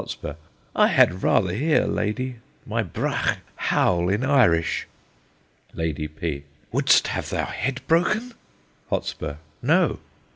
_ I had rather hear Lady, my brach, howl in Irish. Lady P. Wouldst have thy head broken? Hot. No.